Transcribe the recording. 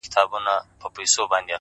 پر ما خوښي لكه باران را اوري-